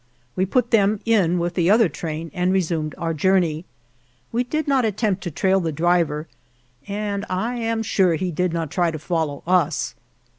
We put them in with the other train and resumed our journey. We did not at tempt to trail the driver and I am sure he did not try to follow us.